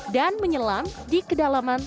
dan menyelam di kedalaman tujuh benang